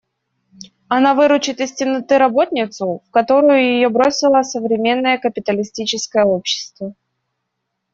Она выручит из темноты работницу, в которую ее бросило современное капиталистическое общество.